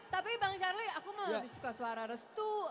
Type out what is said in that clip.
tapi bang carly aku mah suka suara restu